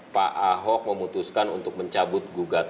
pak ahok memutuskan untuk mencabut gugatan